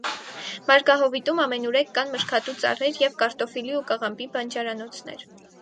Մարգահովիտում ամենուրեք կան մրգատու ծառեր և կարտոֆիլի ու կաղամբի բանջարանոցներ։